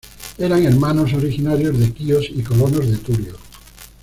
Eran hermanos originarios de Quíos, y colonos de Turios.